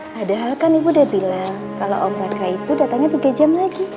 padahal kan ibu udah bilang kalau om raka itu datangnya tiga jam lagi